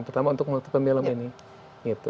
terutama untuk multiple myeloma ini